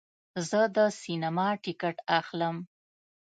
زه د سینما ټکټ اخلم.